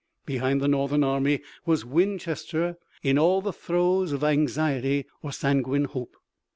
Behind the Northern army was Winchester in all the throes of anxiety or sanguine hope.